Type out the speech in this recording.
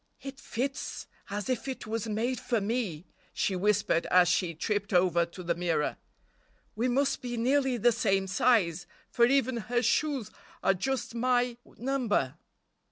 "It fits as if it was made for me," she whispered as she tripped over to the mirror. "We must be nearly the same size, for even her shoes are just my number."